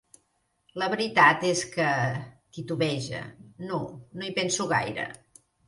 La veritat és que —titubeja—, no, no hi penso gaire.